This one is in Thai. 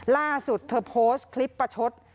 ล่าสุดเธอโพสต์คลิปประชด